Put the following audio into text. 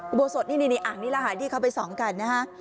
อุโบสถอ่างนี้อาหารที่เขาไปทรงกัน